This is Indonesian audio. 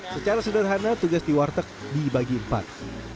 secara sederhana tugas di warteg dibagi empat